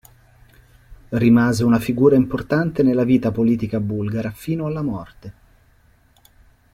Rimase una figura importante nella vita politica bulgara fino alla morte.